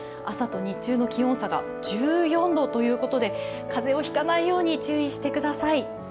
朝と日中の気温差が１４度ということで、風邪を引かないように注意してください。